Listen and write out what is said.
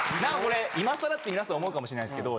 今更って皆さん思うかもしれないですけど。